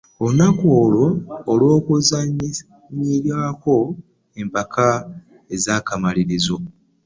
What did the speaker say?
Olunaku olwo olw'okuzannyirako empaka ez'akamalirizo